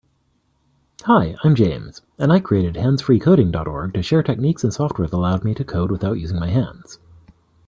Hi, I'm James, and I created handsfreecoding.org to share techniques and software that allow me to code without using my hands.